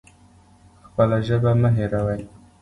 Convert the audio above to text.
خپله ژبه مه هیروئ